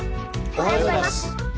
おはようございます。